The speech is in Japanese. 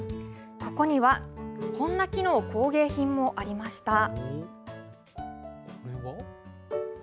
ここにはこんな木の工芸品もありこれは？